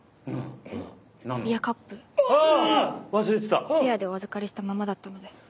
ビアカップペアでお預かりしたままだったので。